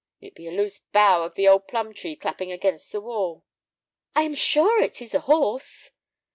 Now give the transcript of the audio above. "It be a loose bough of the old plum tree clapping against the wall." "I am sure it is a horse."